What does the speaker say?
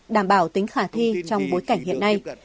đảm bảo tính khả thi trong bối cảnh hiện nay